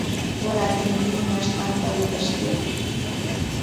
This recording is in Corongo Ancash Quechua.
Warantinmi ñimanqanta willashqayki.